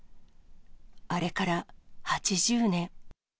あれから８０年。